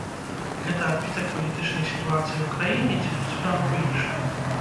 Гэта адбітак палітычнай сітуацыі ў краіне ці тут справа ў іншым?